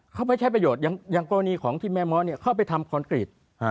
เขาไปใช้ประโยชน์อย่างกรณีของที่แม่ม้อเข้าไปทำคอนกรีต